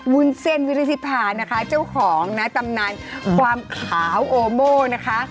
วุ้นเส้นวิริธิภานะคะเจ้าของนะตำนานความขาวโอโม่นะคะ